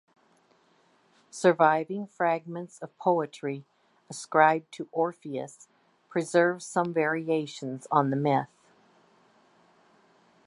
Surviving fragments of poetry ascribed to Orpheus preserve some variations on the myth.